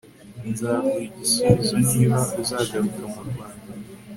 nzaguha igisubizo niba uzagaruka mu Rwanda